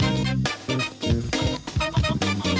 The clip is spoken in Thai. น้องอีดก็เยอะ